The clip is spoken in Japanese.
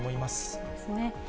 そうですね。